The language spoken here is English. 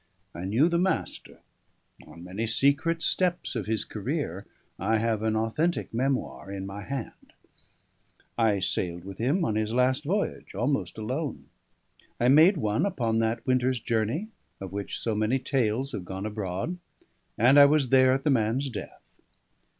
I knew the Master; on many secret steps of his career I have an authentic memoir in my hand; I sailed with him on his last voyage almost alone; I made one upon that winter's journey of which so many tales have gone abroad; and I was there at the man's death.